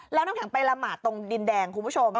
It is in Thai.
แล้วน้ำแข็งไปละหมาตรงดินแดง